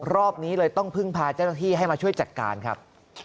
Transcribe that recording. รอบนี้เลยต้องพึ่งพาเจ้าหน้าที่ให้มาช่วยจัดการครับ